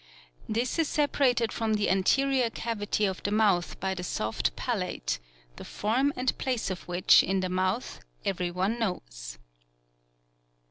This is sepa rated from the anterior cavity of the mouth by the soft palate, the form and place of which in the mouth every one knows.